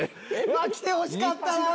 うわ来てほしかったな。